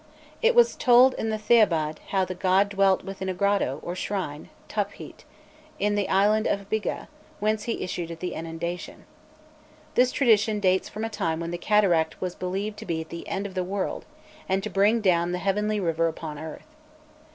It was told in the Thebaïd how the god dwelt within a grotto, or shrine (tophit), in the island of Biggeh, whence he issued at the inundation. This tradition dates from a time when the cataract was believed to be at the end of the world, and to bring down the heavenly river upon earth.